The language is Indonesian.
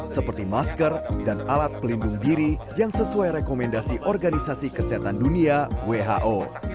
seperti masker dan alat pelindung diri yang sesuai rekomendasi organisasi kesehatan dunia who